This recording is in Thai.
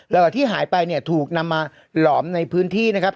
แล้วก็ที่หายไปเนี่ยถูกนำมาหลอมในพื้นที่นะครับ